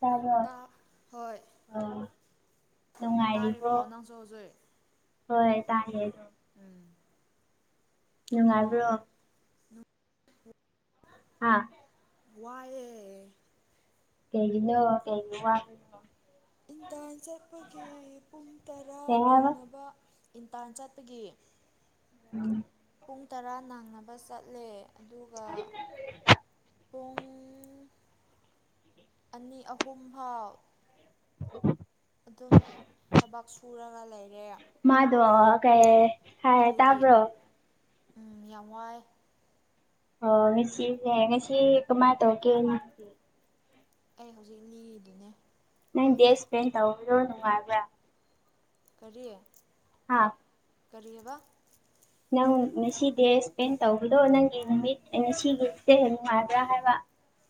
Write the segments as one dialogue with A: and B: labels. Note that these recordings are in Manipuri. A: ꯇꯥꯕꯔꯣ
B: ꯇꯥ ꯍꯣꯏ
A: ꯎꯝ
B: ꯇꯥꯔꯦꯀꯣ ꯅꯪꯁꯨ ꯍꯧꯖꯤꯛꯑ
A: ꯍꯣꯏ ꯇꯥꯦ ꯑꯗꯨ
B: ꯎꯝ
A: ꯅꯨꯡꯉꯥꯏꯕ꯭ꯔꯣ ꯍꯥꯥ
B: ꯋꯥꯌꯦ꯫
A: ꯀꯩꯒꯤꯅꯣ ꯀꯩ ꯋꯥ
B: ꯏꯟꯇꯜ ꯆꯠꯄꯒꯤ ꯄꯨꯡ ꯇꯔꯥ
A: ꯀꯩ ꯍꯥꯏꯕ
B: ꯅꯪꯅꯕ ꯏꯟꯇꯜ ꯆꯠꯄꯒꯤ꯫
A: ꯎꯝ
B: ꯄꯨꯡ ꯇꯔꯥ ꯅꯪꯅꯕ ꯆꯠꯂꯦ ꯑꯗꯨꯒ ꯄꯨꯡ ꯑꯅꯤ ꯑꯍꯨꯝꯐꯥꯎ ꯑꯗꯨꯝ ꯊꯕꯛ ꯁꯨꯔꯒ ꯂꯩꯔꯦ꯫
A: ꯃꯥꯗꯣ ꯀꯩ ꯍꯥꯏ
B: ꯑꯗꯨꯒꯤ
A: ꯇꯥꯕ꯭ꯔꯣ
B: ꯎꯝ ꯌꯥꯝ ꯋꯥꯏ
A: ꯑꯣ ꯉꯁꯤ ꯉꯁꯤ ꯀꯃ ꯇꯧ ꯀꯦ꯫
B: ꯑꯩ ꯍꯧꯖꯤꯛ ꯅꯤꯒꯤꯗꯨꯅꯦ꯫
A: ꯅꯪ ꯗꯦ ꯏꯁꯄꯦꯟ ꯇꯧꯕꯔꯣ ꯅꯨꯡꯉꯥꯏꯕ꯭ꯔꯥ
B: ꯀꯔꯤ
A: ꯍꯥꯥ
B: ꯀꯔꯤꯕ
A: ꯅꯪ ꯉꯁꯤ ꯗꯦ ꯏꯁꯄꯦꯟ ꯇꯧꯕꯗꯣ ꯅꯪꯒꯤ
B: ꯑꯣ
A: ꯅꯨꯃꯤꯠ ꯉꯁꯤꯒꯤꯗ ꯅꯨꯡꯉꯥꯏꯕ꯭ꯔꯥ ꯍꯥꯏꯕ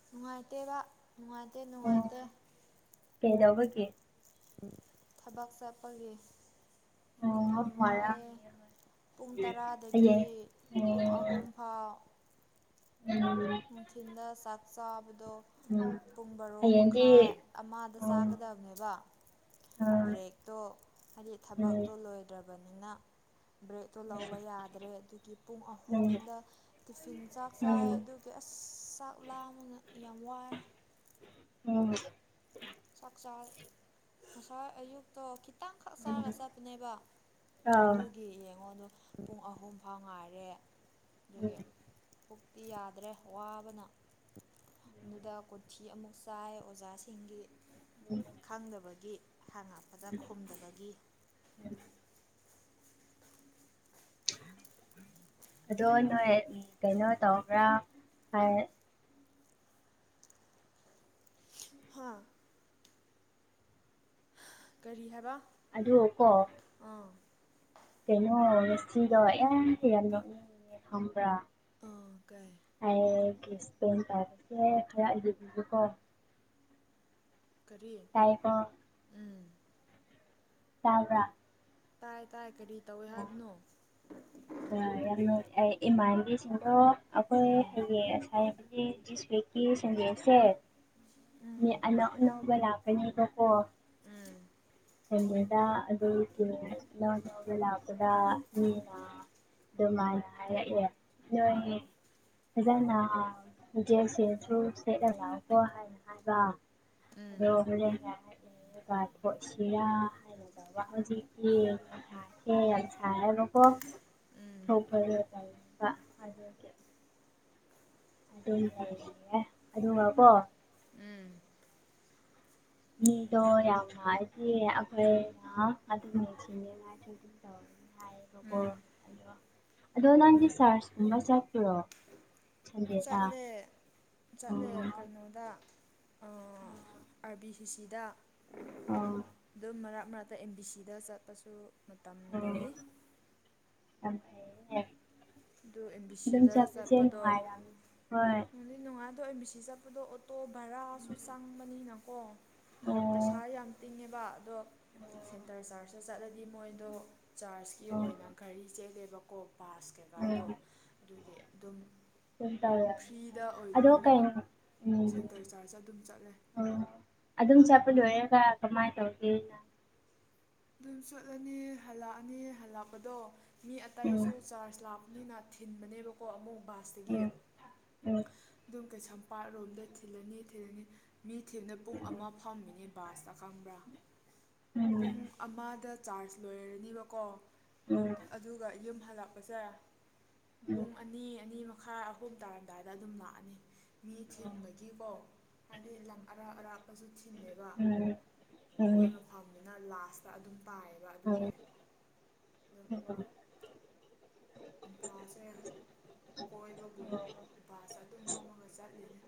B: ꯅꯨꯡꯉꯥꯏꯇꯦꯕ ꯅꯨꯡꯉꯥꯏꯇꯦ ꯅꯨꯡꯉꯥꯏꯇꯦ꯫
A: ꯀꯩꯗꯕꯒ
B: ꯊꯕꯛ ꯆꯠꯄꯒꯤ꯫ ꯌꯥꯝ
A: ꯎꯝ
B: ꯋꯥꯏꯑꯦ ꯄꯨꯡ ꯇꯔꯥꯗꯒꯤ
A: ꯍꯌꯦꯡ
B: ꯄꯨꯡ ꯑꯍꯨꯝꯐꯥꯎ
A: ꯎꯝ
B: ꯅꯨꯡꯊꯤꯜꯗ ꯆꯥꯛ ꯆꯥꯕꯗꯣ
A: ꯎꯝ
B: ꯄꯨꯡ ꯕꯔꯣ ꯃꯈꯥꯏ
A: ꯍꯌꯦꯡꯗꯤ
B: ꯑꯃꯗ
A: ꯎꯝ
B: ꯆꯥꯒꯗꯕꯅꯦꯕ
A: ꯎꯝ
B: ꯕ꯭ꯔꯦꯛꯇꯣ ꯍꯥꯏꯗꯤ
A: ꯎꯝ
B: ꯊꯕꯛꯇꯣ ꯂꯣꯏꯗ꯭ꯔꯕꯅꯤꯅ ꯕ꯭ꯔꯦꯗꯠꯇꯨ ꯂꯧꯕ ꯌꯥꯗ꯭ꯔꯦ ꯑꯗꯨꯒꯤ ꯄꯨꯡ
A: ꯎꯝ ꯎꯝ
B: ꯑꯍꯨꯝꯗ ꯇꯤꯐꯤꯟ ꯆꯥꯛ ꯆꯥꯏ ꯑꯗꯨ ꯀꯦꯁ ꯆꯥꯛ ꯂꯥ ꯑꯃꯅ ꯌꯥꯝ ꯋꯥꯏ
A: ꯑꯣ
B: ꯁꯥ ꯁꯥꯥ ꯑꯌꯨꯛ ꯇꯣ ꯈꯤꯇꯪꯈꯛ
A: ꯎꯝ
B: ꯆꯥꯔꯒ ꯆꯠꯄꯅꯦꯕ
A: ꯑꯥꯎ
B: ꯑꯗꯨꯒꯤ ꯌꯦꯡꯉꯣꯗꯣ ꯄꯨꯡ ꯑꯍꯨꯝ ꯐꯥꯎ ꯉꯥꯏꯔꯦ
A: ꯎꯝ
B: ꯑꯗꯨꯒꯤ ꯌꯥꯗ꯭ꯔꯦ ꯋꯥꯕꯅ ꯑꯗꯨꯗ ꯀꯣꯊꯤ ꯑꯃꯨꯛ ꯆꯥꯏ ꯑꯣꯖꯥꯁꯤꯡꯒꯤ
A: ꯎꯝ
B: ꯈꯪꯗꯕꯒꯤ ꯍꯥꯡꯉꯛꯄꯗ ꯈꯨꯝꯗꯕꯒꯤ ꯎꯝ
A: ꯑꯗꯣ ꯅꯣꯏ ꯀꯩꯅꯣ ꯇꯧꯕ꯭ꯔꯥ
B: ꯍꯥꯥ ꯀꯔꯤ ꯍꯥꯏꯕ
A: ꯑꯗꯨ ꯀꯣ
B: ꯑꯥ
A: ꯀꯩꯅꯣ ꯔꯦꯁꯤꯗꯣ ꯌꯥꯝ ꯍꯤ ꯅꯣꯛꯅꯤꯡꯉꯦ ꯈꯪꯕ꯭ꯔꯥ
B: ꯑꯥ ꯀꯥꯏ
A: ꯑꯩ ꯀꯦꯁꯄ ꯇꯥꯁꯦ ꯈꯔ ꯌꯦꯕꯤꯕꯀꯣ
B: ꯀꯔꯤꯌꯦ
A: ꯇꯥꯏꯀꯣ
B: ꯎꯝ
A: ꯇꯕ꯭ꯔꯥ
B: ꯇꯥꯏ ꯇꯥꯏ ꯀꯔꯤ ꯇꯧꯏ ꯍꯥꯏꯕꯅꯣ
A: ꯑ ꯌꯥꯝ ꯅꯨꯡꯉ ꯑꯩ ꯏꯃꯥꯟꯥꯟꯕꯤꯁꯤꯡꯗꯣ ꯑꯩꯈꯣꯏ
B: ꯎꯝ
A: ꯍꯌꯦꯌꯦꯡ ꯑꯁꯥꯏ ꯁꯦꯛꯀꯤ ꯁꯗꯦꯁ ꯍ ꯃ ꯑ ꯑꯅꯕ ꯑꯅꯤꯗꯄꯣ
B: ꯎꯝ
A: ꯍꯦꯡꯉꯗ ꯑꯗꯒꯤ ꯏꯎ ꯂꯎꯒ ꯂꯥꯛꯄꯗ ꯃꯤꯅ ꯑꯗꯨꯃꯥꯏꯅ ꯅꯣꯏ ꯐꯖꯅ ꯖꯦꯛꯁꯦꯁꯨ ꯁꯦꯠꯂꯒꯀꯣ ꯍꯥꯏꯅ ꯍꯥꯏꯕ ꯑ ꯀꯥꯊꯣꯠꯁꯤꯔꯥ ꯍꯥꯏꯅꯗꯧꯕ ꯍꯧꯖꯤꯛ ꯌꯦꯡꯉꯦ ꯥ ꯂꯣ ꯊꯧ ꯐ ꯇ ꯑꯗꯨꯝ ꯂꯩꯍꯦ ꯑꯗꯨꯒꯀꯣ
B: ꯎꯝ
A: ꯃꯤꯗꯣ ꯌꯥꯝꯅ ꯍꯥꯏꯗꯤ ꯑꯩꯈꯣꯏꯅ ꯑꯗꯨꯅꯦꯁꯤꯅꯦꯗꯤ
B: ꯎꯝ
A: ꯑꯗꯣ ꯅꯪꯒꯤ ꯆꯥꯔꯖꯀꯨꯝꯕ ꯆꯠꯄ꯭ꯔꯣ ꯁꯟꯗꯦꯗ
B: ꯆꯠꯂꯦ ꯆꯠꯂꯦ
A: ꯑꯣ
B: ꯀꯩꯅꯣꯗ ꯑꯥꯔ ꯕꯤ ꯁꯤ ꯁꯤꯗ
A: ꯑꯣ
B: ꯑꯗꯨꯝ ꯃꯔꯥꯠ ꯃꯔꯠ ꯑꯗ ꯑꯦꯝ ꯕꯤ ꯁꯤꯗ ꯆꯠꯄꯁꯨ ꯃꯇꯝ ꯂꯩ
A: ꯑ ꯌꯥ
B: ꯑꯗꯨ ꯑꯦꯝ ꯕꯤ ꯁꯤꯗ ꯆꯠꯄꯗꯣ
A: ꯅꯨꯡꯉꯥꯏꯔꯝꯅꯤ ꯍꯣꯏ
B: ꯅꯪꯗꯤ ꯅꯨꯡꯉꯥꯏ ꯑꯗꯣ ꯃꯤꯁꯤ ꯆꯠꯄꯗꯣ ꯑꯣꯇꯣ ꯚꯔꯥꯁꯨ ꯆꯪꯕꯅꯤꯅꯀꯣ
A: ꯑꯣ
B: ꯄꯩꯁꯥ ꯌꯥꯝ ꯇꯤꯡꯉꯦꯕ ꯑꯗꯣ ꯁꯦꯟꯇꯔ ꯆꯥꯔꯖꯇ ꯆꯠꯂꯗꯤ ꯃꯣꯏꯗꯣ ꯆꯥꯔꯖꯀꯤ
A: ꯑꯣ
B: ꯑꯣꯏꯅ ꯘꯔꯤ ꯆꯦꯜꯂꯦꯕꯀꯣ ꯕꯥꯁ ꯀꯩꯀꯥꯗꯣ
A: ꯎꯝ
B: ꯑꯗꯨꯒꯤ ꯑꯗꯨꯝ
A: ꯑꯗꯨꯝ ꯇꯧꯔꯝꯅꯤ ꯍꯣꯏ
B: ꯐ꯭ꯔꯤꯗ
A: ꯑꯗꯣ
B: ꯑꯣꯏꯕꯅꯤꯅ
A: ꯀꯩꯅꯣ
B: ꯁꯦꯟꯇꯔ ꯆꯥꯔꯖ ꯑꯗꯨꯝ ꯆꯠꯂꯦ
A: ꯑꯣ ꯑꯗꯨꯝ ꯆꯠꯄ ꯂꯣꯏꯔꯒ ꯀꯃꯥꯏꯅ ꯇꯧꯒꯦ ꯅꯪ
B: ꯑꯗꯨꯝ ꯆꯨꯠꯂꯅꯤ ꯍꯜꯂꯛꯑꯅꯤ ꯍꯜꯂꯛꯄꯗꯣ ꯃꯤ ꯑꯇꯥꯏ ꯑꯁꯨ ꯆꯥꯔꯖ ꯂꯥꯛꯄꯅꯤꯅ ꯊꯤꯟꯕꯅꯦꯕꯀꯣ ꯑꯃꯨꯛ ꯕꯥꯁꯇꯒꯤ
A: ꯎꯝ ꯎꯝ
B: ꯑꯗꯨꯝ ꯀꯩꯁꯝꯄꯥꯠꯔꯣꯝꯗ ꯊꯤꯜꯂꯅꯤ ꯊꯤꯜꯂꯅꯤ ꯃꯤ ꯊꯤꯟꯅ ꯄꯨꯡ ꯑꯃ ꯐꯝꯃꯤꯅꯤ ꯕꯥꯁ ꯈꯪꯕ꯭ꯔꯥ
A: ꯎꯝ
B: ꯄꯨꯡ
A: ꯎꯝ
B: ꯃꯥꯥꯗ ꯆꯥꯔꯖ ꯂꯣꯏꯔꯅꯤꯕꯀꯣ
A: ꯎꯝ
B: ꯑꯗꯨꯒ ꯌꯨꯝ ꯍꯜꯂꯛꯄꯁꯦ
A: ꯎꯝ
B: ꯄꯨꯡ ꯑꯅꯤ ꯑꯅꯤ ꯃꯈꯥꯏ ꯑꯍꯨꯝ ꯇꯥꯔꯝꯗꯥꯏꯗ ꯑꯗꯨꯝ ꯂꯥꯛꯑꯅꯤ ꯃꯤ ꯊꯤꯟꯕꯒꯤꯀꯣ ꯍꯥꯏꯗꯤ ꯂꯝ ꯑꯔꯥꯞ ꯑꯔꯥꯞ ꯑꯃꯁꯨ ꯊꯤꯜꯂꯦꯕ
A: ꯎꯝ
B: ꯑꯩꯈꯣꯏ ꯃꯐꯝꯅꯤꯅ ꯂꯥꯁꯇ ꯑꯗꯨꯝ ꯇꯥꯏꯌꯦ ꯑꯗꯨꯒꯤ
A: ꯎꯝ
B: ꯑꯗꯨꯝ
A: ꯎꯝ
B: ꯏꯝꯐꯥꯜꯁꯦ ꯀꯣꯏꯕꯒꯨꯝ ꯕꯁ ꯑꯗꯨꯝ ꯐꯝꯃꯒ ꯆꯠꯂꯤꯅꯦ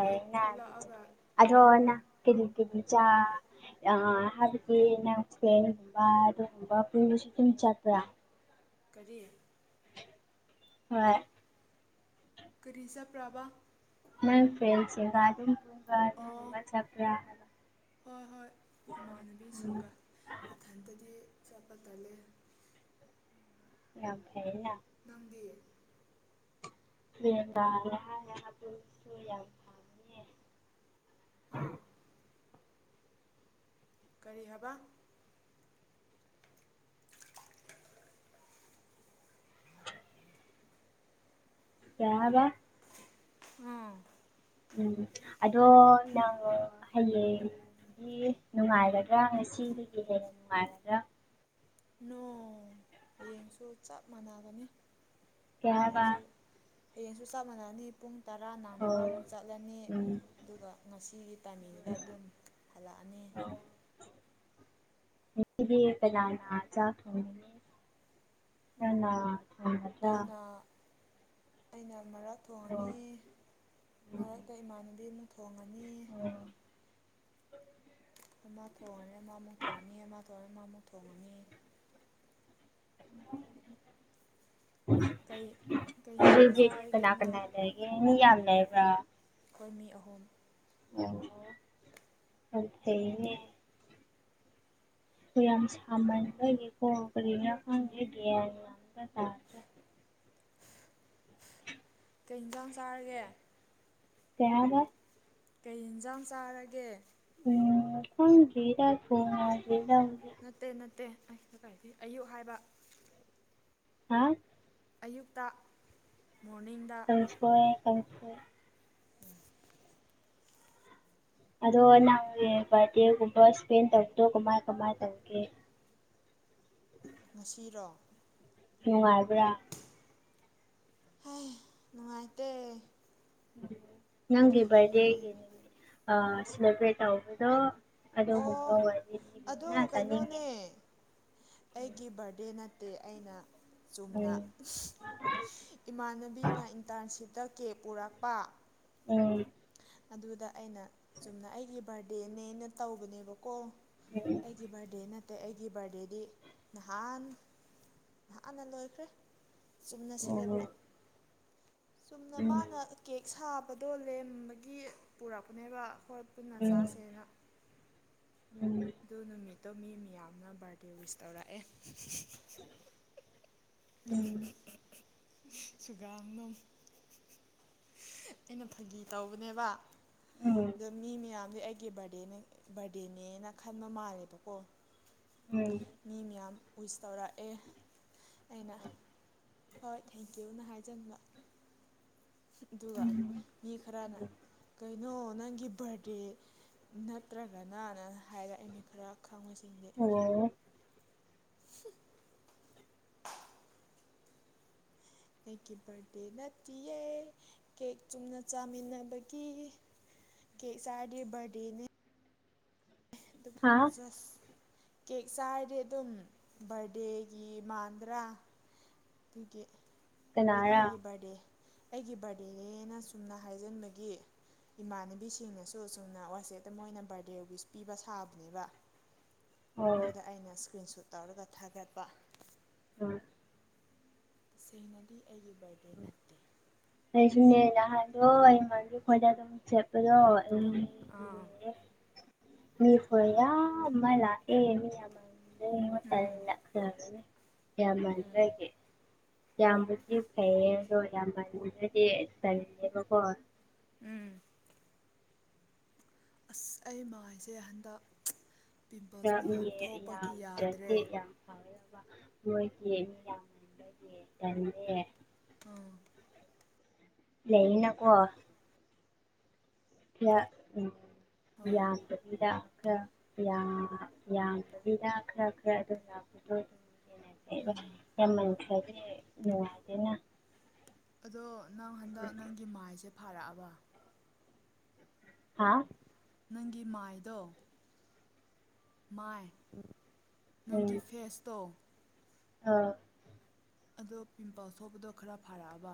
B: ꯍꯦꯛ ꯊꯣꯛꯂꯛꯑꯒ ꯌꯨꯝ
A: ꯍꯥꯏꯕꯗꯤ ꯅꯪꯁꯦ ꯑꯗꯨꯒꯨꯝꯕ ꯑꯗꯨꯒꯨꯝꯕ ꯄꯨꯕꯁꯨ ꯑꯗꯨꯝ ꯆꯠꯄ꯭ꯔꯥ
B: ꯀꯔꯤ
A: ꯍꯣꯏ
B: ꯀꯔꯤ ꯆꯠꯄ꯭ꯔꯥꯕ
A: ꯅꯪ ꯐ꯭ꯔꯦꯟꯁꯤꯡꯒꯥ ꯑꯗꯨꯝ
B: ꯑꯣ
A: ꯑꯗꯨꯒꯨꯝꯕ ꯆꯠꯄ꯭ꯔꯥ ꯍꯥꯏꯕ
B: ꯍꯣꯏ ꯍꯣꯏ
A: ꯎꯝ
B: ꯏꯃꯥꯟꯅꯕꯤꯁꯤꯡꯒ ꯏꯊꯟꯇꯗꯤ ꯆꯠꯄ ꯇꯥꯜꯂꯦ
A: ꯌꯥꯝ ꯐꯩꯌꯦꯅ
B: ꯅꯪꯗꯤ
A: [unintelligible]
B: ꯑꯥ ꯀꯔꯤ ꯍꯥꯏꯕ
A: ꯀꯩꯍꯥꯏꯕ
B: ꯎꯝ
A: ꯎꯝ ꯑꯗꯣ ꯅꯊ ꯍꯌꯦꯡ ꯍꯥꯏꯗꯤ ꯅꯨꯡꯉꯥꯏꯒꯗ꯭ꯔꯥ ꯉꯁꯤꯗꯒꯤ ꯍꯦꯟꯅ ꯅꯨꯡꯉꯥꯏꯒꯗ꯭ꯔꯥ
B: ꯅꯣ ꯍꯌꯦꯡꯁꯨ ꯆꯞ ꯃꯥꯟꯅꯕꯅꯦ
A: ꯀꯩ ꯍꯥꯏꯕ
B: ꯍꯌꯦꯡꯁꯨ ꯍꯌꯦꯡꯁꯨ ꯆꯞ ꯃꯥꯟꯅꯅꯤ ꯄꯨꯡ ꯇꯔꯥ
A: ꯑꯣ
B: ꯅꯪꯡꯅꯕ ꯑꯃꯨꯛ ꯆꯠꯂꯅꯤ
A: ꯎꯝ
B: ꯑꯗꯨꯒ ꯉꯁꯤꯒꯤ ꯇꯥꯏꯃꯤꯡꯗꯡꯗ ꯑꯗꯨꯝ ꯍꯜꯂꯛꯑꯅꯤ
A: [unintelligible] ꯍꯦꯟꯅꫭ
B: ꯑꯩꯅ ꯑꯩꯅ ꯃꯔꯛ
A: ꯑꯣ
B: ꯊꯣꯡꯉꯅꯤ ꯃꯔꯛꯇ ꯏꯃꯥꯟꯅꯕꯤ ꯑꯃꯨꯛ ꯊꯣꯡꯉꯅꯤ
A: ꯑ [unintelligible]
B: ꯑꯃ ꯊꯣꯡꯉꯅꯤ ꯑꯃꯃꯨꯛ ꯊꯣꯡꯉꯅꯤ ꯑꯃ ꯊꯣꯡꯉꯅꯤ ꯃꯥꯃꯨꯛ ꯊꯣꯡꯉꯅꯤ ꯀꯩ ꯀꯩ
A: [unintelligible]
B: ꯌꯦꯟꯁꯥꯡ
A: ꯑꯗꯒꯤ
B: ꯆꯥꯔꯒꯦ ꯅꯪ
A: ꯃꯤ ꯌꯥꯝ ꯂꯩꯕ꯭ꯔꯥ
B: ꯑꯩꯈꯣꯏ ꯃꯤ ꯑꯍꯨꯝ
A: ꯑꯣ ꯌꯥꯝ ꯐꯩꯌꯦꯅꯦ ꯌꯥꯝ ꯁꯥꯃꯟꯕꯒꯤ ꯀꫭ ꯀꯔꯤꯔ ꯈꯪꯗꯦ ꯒꯌꯥꯟ ꯂꯥꯡꯕ ꯇꯥꯗꯦ
B: ꯀꯩ ꯏꯟꯖꯥꯡ ꯆꯥꯔꯒꯦ
A: ꯀꯩ ꯍꯥꯏꯕ
B: ꯀꯩ ꯌꯦꯟꯖꯥꯡ ꯆꯥꯔꯒꯦ
A: ꯎꯝ ꯈꯪꯗꯔ꯭ꯤꯗ ꯊꯣꯡ ꯉ ꯗꯔꯤꯗ
B: ꯅꯠꯇꯦ ꯅꯠꯇꯦ ꯑꯩ ꯀꯗꯥꯏꯗꯩ ꯑꯌꯨꯛ ꯍꯥꯏꯕ
A: ꯍꯥ
B: ꯑꯌꯨꯛꯇ ꯃꯣꯔꯅꯤꯡꯗ
A: ꯁꯣꯏ ꯀꯪꯁꯣꯏ
B: ꯎꯝ
A: ꯑꯗꯣ ꯅꯪꯒꯤ ꯕꯥꯔꯗꯦꯒꯨꯝꯕ ꯏꯁꯄꯦꯟ ꯇꯧꯗꯣ ꯀꯃꯥꯏ ꯀꯃꯥꯏ ꯇꯧꯒꯦ
B: ꯉꯁꯤꯔꯣ
A: ꯅꯨꯡꯉꯥꯏꯕ꯭ꯔꯥ
B: ꯍꯥꯏ ꯅꯨꯡꯉꯥꯏꯇꯦ
A: ꯅꯪꯒꯤ
B: ꯀꯔꯤꯒꯤ
A: ꯚꯔꯗꯦꯒꯤ ꯑ ꯁꯦꯂꯦꯕ꯭ꯔꯦꯠ ꯇꯧꯕꯗꯣ ꯑꯗꯣ
B: ꯑꯣ
A: ꯒꯨꯝꯕ ꯑꯣꯏꯗꯤ ꯈꯣꯏꯗꯤ
B: ꯑꯗꯣ
A: ꯉꯥ ꯆꯅꯤꯡꯉꯦ
B: ꯀꯩꯅꯣꯅꯦ ꯑꯩꯒꯤ ꯕꯥꯔꯗꯦ ꯅꯠꯇꯦ ꯑꯩꯅ ꯆꯨꯝꯅ
A: ꯎꯝ
B: ꯏꯃꯥꯟꯅꯕꯤꯅ ꯏꯟꯇꯔꯟꯁꯤꯞꯇ ꯀꯦ ꯄꯨꯔꯛꯄ
A: ꯎꯝ
B: ꯑꯗꯨꯗ ꯑꯩꯅ ꯆꯨꯝꯅ ꯑꯩꯒꯤ ꯕꯥꯔꯗꯦꯅꯦꯅ ꯇꯧꯕꯅꯦꯕꯀꯣ
A: ꯎꯝ
B: ꯑꯩꯒꯤ ꯕꯥꯔꯗꯦ ꯅꯠꯇꯦ ꯑꯩꯒꯤ ꯕꯥꯔꯗꯦꯗꯤ ꯅꯍꯥꯟ ꯅꯍꯥꯟꯅ ꯂꯣꯏꯈ꯭ꯔꯦ ꯆꯨꯝꯅ ꯁꯦꯂꯦꯕ꯭ꯔꯦꯠ ꯆꯨꯝꯅ
A: ꯎꯝ
B: ꯃꯥꯅ ꯀꯦꯛ ꯁꯥꯕꯗꯣ ꯂꯦꯝ ꯒꯤ ꯄꯨꯔꯛꯄꯅꯦꯕ ꯈꯣꯏ ꯄꯨꯟꯅ
A: ꯎꯝ
B: ꯆꯥꯁꯦꯅ
A: ꯎꯝ
B: ꯑꯗꯨ ꯅꯨꯃꯤꯠꯇꯣ ꯃꯤ ꯃꯤꯌꯥꯝꯅ ꯕꯥꯔꯗꯦ ꯋꯤꯁ ꯇꯧꯔꯛꯑꯦ
A: ꯎꯝ
B: [unintelligible] ꯁꯨꯒꯝ ꯅꯣ ꯑꯩꯅ ꯐꯥꯒꯤ ꯇꯧꯕꯅꯦꯕ ꯑꯗꯣ ꯃꯤ ꯃꯌꯥꯝꯗꯤ ꯑꯩꯒꯤ ꯚꯔꯗꯦꯅꯦ ꯕꯥꯔꯗꯦꯅꯦꯅ ꯈꯟꯕ ꯃꯥꯜꯂꯦꯕꯀꯣ
A: ꯎꯝ
B: ꯃꯤ ꯃꯌꯥꯝ ꯋꯤꯁ ꯇꯧꯔꯛꯑꯦ ꯑꯩꯅ ꯍꯣꯏ ꯊꯦꯡꯀ꯭ꯌꯨꯅ ꯍꯥꯏꯖꯟꯕ ꯑꯗꯨꯒ
A: ꯎꯝ
B: ꯃꯤ ꯈꯔꯅ ꯀꯩꯅꯣ ꯅꯪꯒꯤ ꯕꯥꯔꯗꯦ ꯅꯠꯇ꯭ꯔꯒꯅꯅ ꯍꯥꯏꯔꯛ ꯑꯦ ꯃꯤ ꯈꯔ ꯈꯪꯕꯁꯤꯡꯗꯤ
A: ꯎꯝ ꯑꯣ
B: [inaudible] ꯑꯩꯒꯤ ꯕꯥꯔꯗꯦ ꯅꯠꯇꯤꯌꯦ ꯀꯦꯛ ꯆꯨꯝꯅ ꯆꯥꯃꯤꯟꯅꯕꯒꯤ ꯀꯦꯛ ꯆꯥꯔꯗꯤ ꯕꯔꯗꯦꯅꯦ ꯑꯗꯨꯒ
A: ꯍꯥ
B: ꯖꯁ ꯀꯦꯛ ꯆꯥꯔꯗꯤ ꯑꯗꯨꯝ ꯕꯥꯔꯗꯦꯒꯤ ꯃꯥꯟꯗ꯭ꯔꯥ ꯗꯨꯒꯤ ꯑꯩꯅ
A: ꯀꯅꯥꯔꯥ
B: ꯑꯩꯒꯤ ꯕꯥꯔꯗꯦ ꯑꯩꯒꯤ ꯕꯥꯔꯗꯦꯅꯦꯅ ꯁꯨꯝꯅ ꯍꯥꯏꯖꯟꯕꯒꯤ ꯏꯃꯥꯟꯅꯕꯤꯁꯤꯡꯅꯁꯨ ꯁꯨꯝꯅ ꯋꯥꯆꯦꯞꯇ ꯃꯣꯏꯅ ꯕꯥꯔꯗꯦ ꯋꯤꯁ ꯄꯤꯕ ꯁꯥꯕꯅꯦꯕ
A: ꯑꯣ
B: ꯑꯗꯨꯗ ꯑꯩꯅ ꯏꯁꯀ꯭ꯔꯤꯟ ꯁꯨꯠ ꯇꯧꯔꯒ ꯊꯥꯒꯠꯄ
A: ꯗꯣꯠ
B: ꯇꯁꯦꯡꯅꯗꯤ ꯑꯩꯒꯤ ꯕꯥꯔꯗꯦ ꯅꯠꯇꯦ
A: ꯑꯩꯁꯨꯅꯦ ꯅꯍꯥꯟꯗꯣ ꯑꯩ ꯏꯃꯥꯟꯅꯕꯤ ꯈꯣꯏꯗ ꯑꯗꯨꯝ ꯁꯦꯠꯄꯗꯣ ꯎꯝ
B: ꯑꯥ
A: ꯃꯤ ꯈꯨꯌꯥꯝꯃ ꯂꯥꯛꯑꯦ ꯃꯤ ꯌꯥꯝꯃ [unintelligible] ꯌꯥꯝꯃꯟꯕꯒꯤ ꯌꯥꯝꯕꯨꯗꯤ ꯐꯩꯌꯦ ꯑꯗꯣ ꯌꯥꯝꯃꯟꯕꯗꯤ ꯇꯜꯂꯦꯕꯀꯣ
B: ꯎꯝ ꯑꯁ ꯑꯩ ꯃꯥꯏꯁꯦ ꯍꯟꯗꯛ ꯄꯤꯝꯄꯜꯁ
A: ꯈꯔ
B: ꯃꯤ ꯌꯥꯝ ꯊꯣꯛꯄꯒꯤ ꯌꯥꯗ꯭ꯔꯦ
A: ꯐꯅꯕ ꯃꯣꯏꯒꯤ ꯃꯤ ꯌꯥꯝꯃꯟꯕꯒꯤ ꯇꯟꯂ
B: ꯑ
A: ꯂꯩꯅꯀꯣ ꯎꯝ ꯌꯥꯗ
B: ꯍꯣꯏ
A: ꯌꯥꯝꯕ ꯂꯤꯗ ꯈꯔ ꯈꯔ ꯑꯗꯨꯝ ꯂꯥꯛꯄꯗꯣ ꯑꯗꯨꯝꯟꯅ ꯑꯩꯕ ꯌꯥꯝꯃꯟꯈ꯭ꯔꯗꯤ ꯅꯨꯡꯉꯥꯏꯗꯅ
B: ꯑꯗꯣ ꯅꯪ ꯍꯟꯗꯛ ꯅꯪꯒꯤ ꯃꯥꯏꯁꯦ ꯐꯥꯔꯛꯑꯕ
A: ꯍꯥꯥ
B: ꯅꯪꯒꯤ ꯃꯥꯏꯗꯣ ꯃꯥꯏ
A: ꯎꯝ
B: ꯅꯪꯒꯤ ꯐꯦꯁꯇꯣ
A: ꯑꯥ
B: ꯑꯗꯣ ꯄꯤꯝꯄꯜꯁ ꯁꯄꯗꯣ ꯈꯔ ꯐꯥꯔꯛꯑꯕ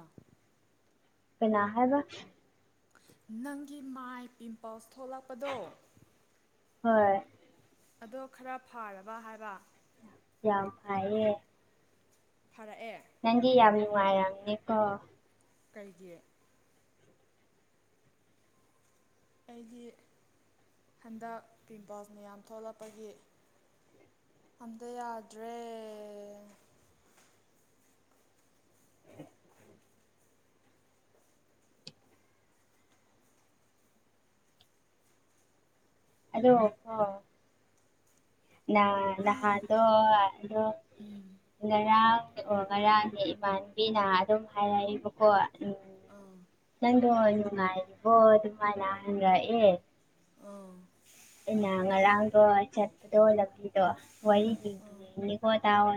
A: ꯄꯅꯥ ꯍꯥꯏꯦꯕ
B: ꯅꯪꯒꯤ ꯃꯥꯏ ꯄꯤꯝꯄꯜꯁ ꯊꯣꯛꯂꯛꯄꯗꯣ
A: ꯍꯣꯏ
B: ꯑꯗꯣ ꯈꯔ ꯐꯥꯔꯕ ꯍꯥꯏꯕ
A: ꯌꯥꯝ ꯐꯌꯦ
B: ꯐꯔꯛꯑꯦ
A: ꯅꯪꯗꯤ ꯌꯥꯝ ꯅꯨꯡꯉꯥꯏꯔꯝꯅꯦꯀꯣ
B: ꯀꯩꯒꯤ ꯑꯩꯒꯤ ꯍꯟꯗꯛ ꯄꯤꯝꯄꯜꯁ ꯃꯌꯥꯝ ꯊꯣꯛꯂꯛꯄꯒꯤ ꯑꯝꯇ ꯌꯥꯗ꯭ꯔꯦ
A: ꯑꯗꯣ ꯍ ꯅ ꯅꯍꯥꯗ ꯑꯣ
B: ꯎꯝ
A: ꯉꯔꯥꯡ ꯔꯥꯡꯅꯦ ꯏꯃꯥꯟꯕꯤꯅ ꯑꯗꯨꯝ ꯍꯥꯏꯔꯛꯏꯕꯀꯣ ꯎꯝ
B: ꯑꯥ
A: ꯅꯪꯗꯣ ꯅꯨꯡꯉꯥꯏꯔꯤꯕꯣ ꯑꯗꯨꯃꯥꯏꯅ ꯍꯪꯔꯛꯑꯦ
B: ꯑꯥ
A: ꯑꯩꯅ ꯉꯔꯥꯡꯗꯣ ꯆꯠꯄꯗꯣ ꯂꯝꯕꯤꯗꯣ ꯋꯥꯔꯤ
B: ꯑꯪ
A: ꯂꯤꯡꯕꯤꯣ ꯅꯤꯀꯣ ꯇꯥꯣ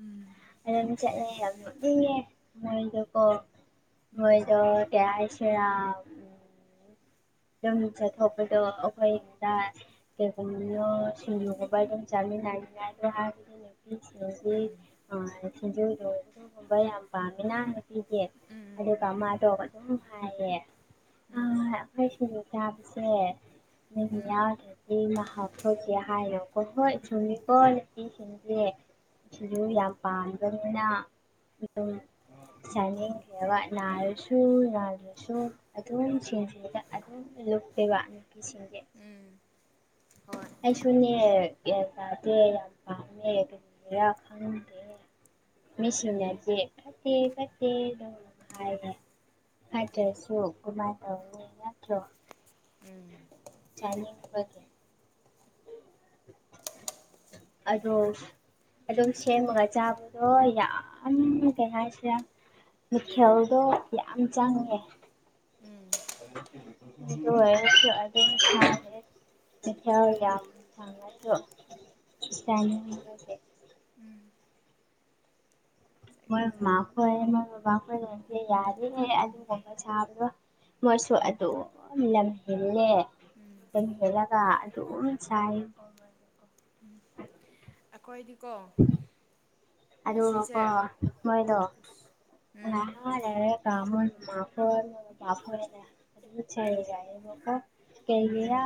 B: ꯎꯝ
A: ꯑꯗꯨꯗꯝ ꯆꯠꯂꯗꯤꯦ ꯃꯔꯀ ꯍꯣꯏꯗꯣ ꯀꯁ ꯑꯗꯨꯝꯁꯦ ꯊꯣꯛꯄꯗꯣ ꯑꯩꯈꯣꯏꯗ ꯗꯒꯣꯟꯣ ꯁꯨꯂꯤꯒꯣꯥꯏ ꯑꯗꯨꯝꯖꯝ ꯍꯥꯏꯔꯤꯉ ꯑꯗꯨꯣ ꯍꯥꯏ ꯁꯤꯁꯤꯡꯁꯤ ꯊꯁꯤꯡꯖꯨꯗꯧ ꯑꯗꯨ ꯍꯣꯡꯩ ꯌꯥꯝꯕꯝꯃꯤꯅ ꯄꯤꯒꯦ
B: ꯎꯝ
A: ꯑꯗꯨꯒ
B: ꯎꯝ
A: ꯃꯥꯗꯣ ꯑꯗꯨꯝ ꯍꯥꯏꯌꯦ ꯍꯣꯏ ꯁꯤꯡꯖꯨ ꯊꯥꯕꯁꯦ ꯅ ꯌꯥꯎꯗꯗꯤ ꯃꯍꯥꯛ ꯐꯁꯦ ꯍꯥꯏꯌꯣꯀꯣ ꯍꯣꯏ ꯁꯨꯝꯃꯤꯀꯣꯄꯤ ꯦ ꯁꯤꯁꯨ ꯌꯥꯝ ꯄꯥꯝꯕꯅꯤꯅ ꯑꯗꯨꯝ ꯆꯥꯅꯤꯡꯈ꯭ꯔꯦꯕ ꯅꯥꯔꯁꯨ ꯅꯥꯜꯗ꯭ꯔꯁꯨ ꯑꯗꯨꯝ ꯆꯁꯤꯡꯁꯤꯗ ꯂꯨꯞꯇꯕꯁꯤꯡꯦ
B: ꯎꯝ
A: ꯑꯩꯁꯨꯅꯦ ꯒ꯭ꯌꯥꯟ ꯇꯥꯗꯦ ꯌꯥꯝ ꯄꯥꯝꯃꯦ ꯀꯩꯔꯥ ꯈꯪꯗꯦ ꯃꯦꯁꯤꯟ ꯐꯠꯇꯦ ꯐꯠꯇꯦ ꯍꯥꯏ ꯑꯗ꯭ꯔꯦꯁꯨ ꯨꯃꯥꯏ ꯇꯧꯠꯇ꯭ꯔꯣ
B: ꯎꯝ
A: ꯆꯅꯤꯕꯒꯦ ꯑꯗꯣ ꯑꯗꯨꯝ ꯁꯦꯝꯃꯒ ꯆꯥꯕꯗꯣ ꯌꯥꯝ ꯀꯩ ꯍꯥꯏꯁꯤꯔ ꯃꯤꯈꯦꯜꯗꯣ ꯌꯥꯝ ꯆꯪꯉꯦ
B: ꯎꯝ
A: [unintelligible] ꯃꯊꯦꯜ ꯌꯥꯝ [unintelligible]
B: ꯎꯝ
A: ꯃꯣꯏ
B: ꯎꯝ
A: ꯃꯥꯈꯣꯏ ꯃꯣꯏ ꯕꯕꯥꯈꯣꯏ [unintelligible] ꯁꯥꯕꯗꯣ ꯃꯣꯏꯁꯨ ꯑꯗꯨꯝ ꯂꯝꯍꯤꯜꯂꯦ
B: ꯎꯝ
A: [unintelligible] ꯑꯗꯨꯝ ꯆꯥꯏ
B: ꯑꯩꯈꯣꯏꯗꯤꯀꯣ
A: ꯑꯗꯨꯒꯀꯣ ꯃꯣꯏꯗꯣ [unintelligible] ꯐꯥꯔꯔꯦ ꯀꯥ ꯑꯃ [unintelligible] [unintelligible] ꯀꯩꯒꯤꯔꯥ